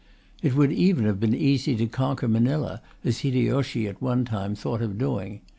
It would even have been easy to conquer Manila, as Hideyoshi at one time thought of doing.